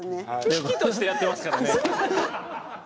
喜々としてやってますからね。